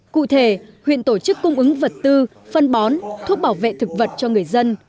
cụ thể huyện tổ chức cung ứng vật tư phân bón thuốc bảo vệ thực vật cho người dân